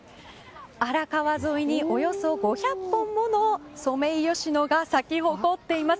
荒川沿いにおよそ５００本ものソメイヨシノが咲き誇っています。